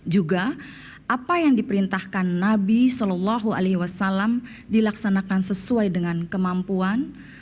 juga apa yang diperintahkan nabi saw dilaksanakan sesuai dengan kemampuan